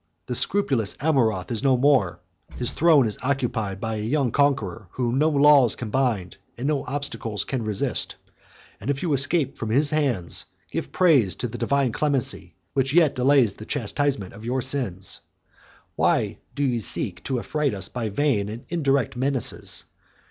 The scrupulous Amurath is no more; his throne is occupied by a young conqueror, whom no laws can bind, and no obstacles can resist: and if you escape from his hands, give praise to the divine clemency, which yet delays the chastisement of your sins. Why do ye seek to affright us by vain and indirect menaces?